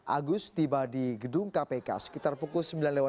agus tiba di gedung kpk sekitar pukul sembilan tiga puluh